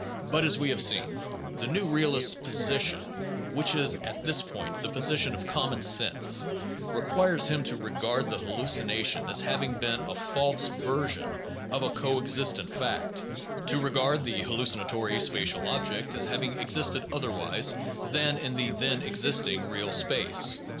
But, as we have seen, the new realist's position (which is at this point the position of common sense) requires him to regard the hallucination as having been a false version of a coexistent fact, to regard the hallucinatory spatial object as having existed otherwise than in the then existing real space.